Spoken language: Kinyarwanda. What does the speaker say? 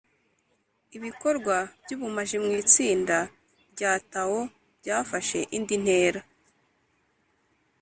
ibikorwa by’ubumaji mu itsinda rya tao byafashe indi ntera.